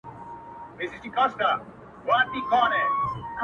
o هغه ليوني ټوله زار مات کړی دی.